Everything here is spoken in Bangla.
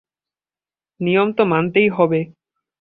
নিয়ম তো মানতেই হবে।